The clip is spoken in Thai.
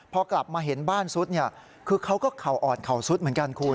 พอกลับมาเห็นบ้านซุดเนี่ยคือเขาก็เข่าอ่อนเข่าซุดเหมือนกันคุณ